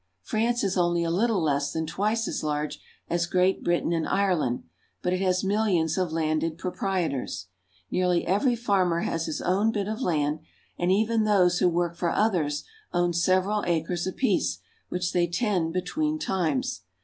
France is only a little less than twice as large as Great Britain and Ireland, but it has millions of landed proprietors. Nearly every farmer has his own bit of land, and even those who work for others own several acres apiece, which they tend between times.